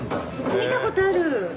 見たことある！